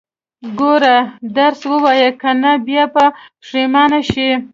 ګوره، درس ووايه، که نه بيا به پښيمانه شې.